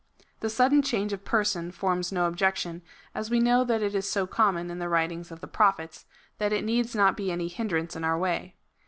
The sudden change of person forms no objection, as we know that it is so common in the writings of the Prophets, that it needs not be any hindrance in our way.